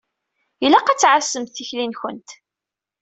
Ilaq ad tɛassemt tikli-nkent.